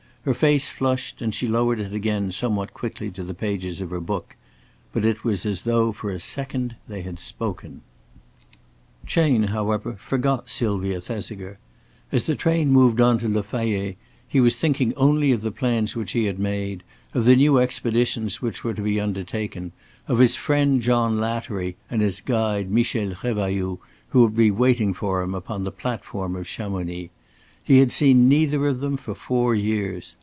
Her face flushed, and she lowered it again somewhat quickly to the pages of her book. But it was as though for a second they had spoken. Chayne, however, forgot Sylvia Thesiger. As the train moved on to Le Fayet he was thinking only of the plans which he had made, of the new expeditions which were to be undertaken, of his friend John Lattery and his guide Michel Revailloud who would be waiting for him upon the platform of Chamonix. He had seen neither of them for four years.